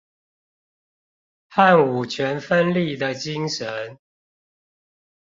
和五權分立的精神